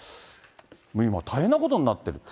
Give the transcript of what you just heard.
今、大変なことになっている。